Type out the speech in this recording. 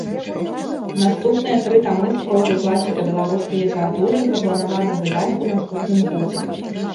Наступныя тры тамы з прозай класіка беларускай літаратуры запланавана выдаць у наступным годзе.